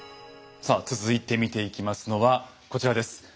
さあ続いて見ていきますのはこちらです。